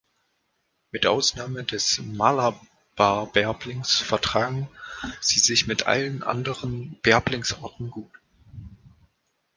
Mit Ausnahme des Malabarbärblings vertragen sie sich mit allen anderen Bärblingsarten gut.